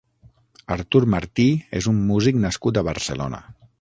Artur Martí és un músic nascut a Barcelona.